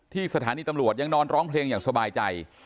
สถานีตำรวจยังนอนร้องเพลงอย่างสบายใจ